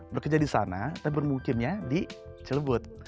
bekerja di sana tapi bermukimnya di cilebut